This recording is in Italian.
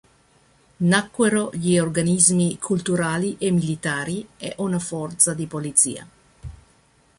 Nacquero gli organismi culturali e militari e una forza di polizia.